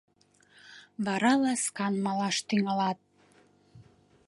Вара ласкан малаш тӱҥалат.